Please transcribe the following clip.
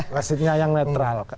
wasitnya yang netral